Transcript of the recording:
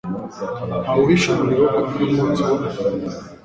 ntawuhisha umuriro kandi umwotsi uboneka